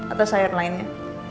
atau sayur lainnya